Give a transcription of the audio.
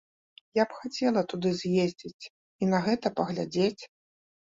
Я б хацела туды з'ездзіць і на гэта паглядзець.